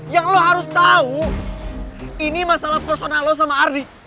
yang lo harus tahu ini masalah personal lo sama ardi